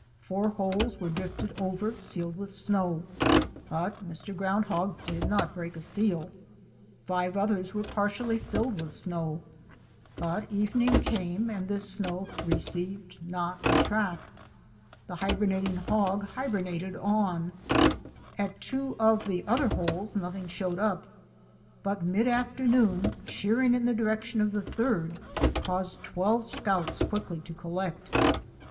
Four holes were drifted over, sealed with snow, but Mr. Ground hog did not break a seal; five others were partly filled with snow, but evening came and this snow received not a track, the hiber nating hog hibernated on; at two of the other three holes nothing showed up; but mid afternoon, cheer ing in the direction of the third caused twelve scouts quickly to collect.